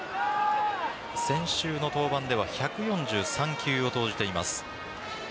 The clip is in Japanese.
先週の登板では１４３球を投じています。